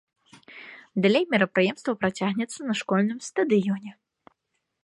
Далей мерапрыемства працягнецца на школьным стадыёне.